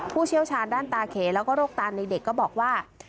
ผู้เชี่ยวชาญด้านตาเขแล้วก็โรคตานในเด็กก็บอกว่า